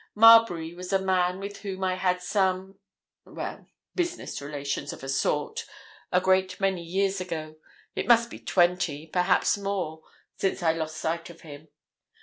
Marbury was a man with whom I had some—well, business relations, of a sort, a great many years ago. It must be twenty years—perhaps more—since I lost sight of him.